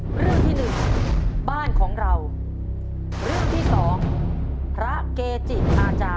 จริงดิฐนั้นอาจจะ